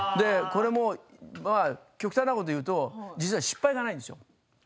これも極端なことを言うと実は失敗がないんですよ。